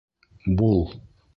Бул!